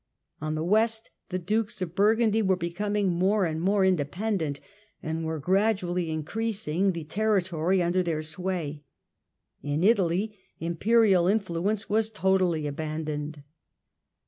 On the West the Dukes of Burgundy were becoming more and more independent, and were gradually increasing the teiTitory under their sway ; in Italy Imperial influence was totally abandoned.